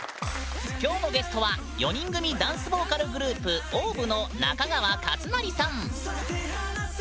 今日のゲストは４人組ダンスボーカルグループＯＷＶの中川勝就さん。